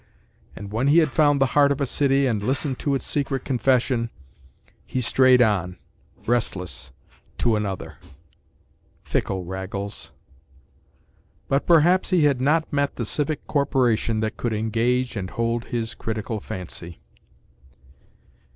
And when he had found the heart of a city and listened to its secret confession, he strayed on, restless, to another. Fickle Raggles!—but perhaps he had not met the civic corporation that could engage and hold his critical fancy.